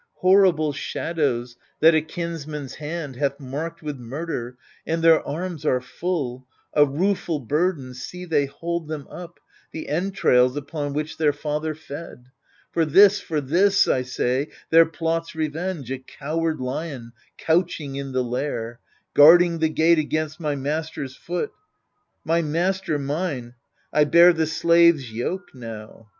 Horrible shadows, that a kinsman's hand Hath marked with murder, and their arms are full — A rueful burden — see, they hold them up, The entrails upon which their father fed I For this, for this, I say there plots revenge A coward lion, couching in the lair — Guarding the gate against my master's foot — My master — mine — I bear the slave's yoke now.